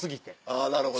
あぁなるほど。